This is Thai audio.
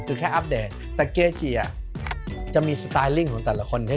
คือแค่อัพเดทแต่เกียร์อ่ะจะมีสไตล์ลิ่งของแต่ละคนเท่